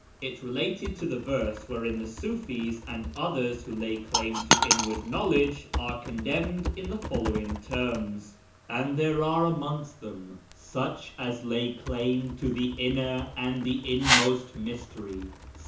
It related to the verse wherein the Sufis and others who lay claim to inward knowledge are condemned in the following terms :—" And there are amongst them such as lay claim to the inner and the inmost (mystery).